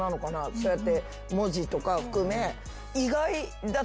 そうやって文字とか含め意外だった。